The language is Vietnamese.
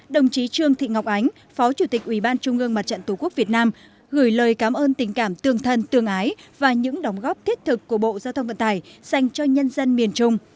đồng chí trương thị ngọc ánh phó chủ tịch ubnd tổ quốc việt nam gửi lời cảm ơn tình cảm tương thân tương ái và những đóng góp thiết thực của bộ giao thông vận tải dành cho nhân dân miền trung